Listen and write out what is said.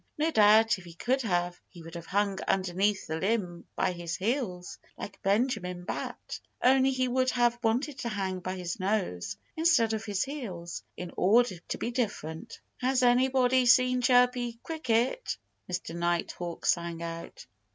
No doubt if he could have, he would have hung underneath the limb by his heels, like Benjamin Bat. Only he would have wanted to hang by his nose instead of his heels, in order to be different. "Has anybody seen Chirpy Cricket?" Mr. Nighthawk sang out.